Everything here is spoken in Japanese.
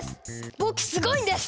僕すごいんです！